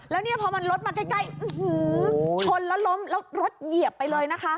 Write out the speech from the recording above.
แล้วเนี่ยพอมันรถมาใกล้ชนแล้วล้มแล้วรถเหยียบไปเลยนะคะ